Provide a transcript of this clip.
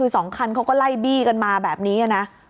สองคันเขาก็ไล่บี้กันมาแบบนี้นะ